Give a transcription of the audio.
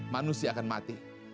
manusia akan mati